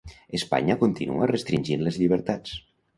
Espanya continua restringint les llibertats.